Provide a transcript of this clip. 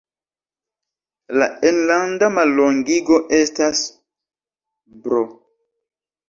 La enlanda mallongigo estas Br.